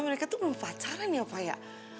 mereka tuh mau pacaran ya pa ya